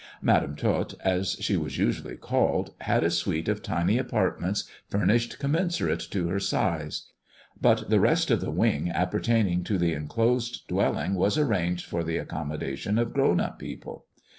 Madam Tot, as she was usually called, had a suite of tiny apartments furnished commensurate to her 42 THE dwarf's chamber size ; but the rest of the wing appertaining to the enclosed dwelling was arranged for the accommodation of grown up people.